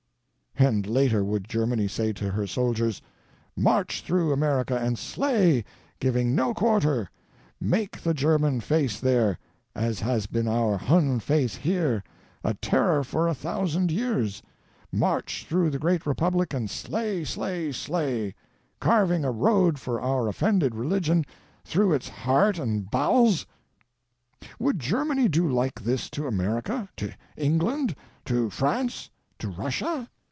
And later would Germany say to her soldiers: 'March through America and slay, giving no quarter; make the German face there, as has been our Hun face here, a terror for a thousand years; march through the Great Eepublic and slay, slay, slay, carving a road for our offended religion through its heart and bowels?' Would Germany do like this to America, to England, to France, to Eus sia?